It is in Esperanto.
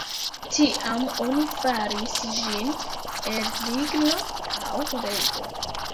Tiam oni faris ĝin el ligno aŭ ledo.